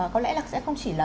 có lẽ là sẽ không chỉ là